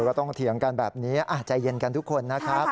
ก็ต้องเถียงกันแบบนี้ใจเย็นกันทุกคนนะครับ